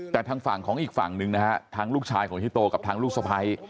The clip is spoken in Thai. แต่ทางฝั่งของอีกฝั่งหนึ่งนะฮะทางลูกชายของฮิโตกับทางลูกสะพ้าย